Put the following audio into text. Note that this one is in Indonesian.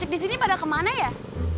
estrawat john semungut